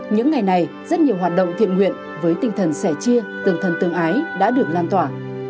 những ngày này rất nhiều hoạt động thiện nguyện với tinh thần sẻ chia tương thân tương ái đã được lan tỏa